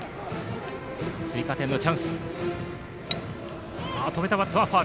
追加点のチャンス。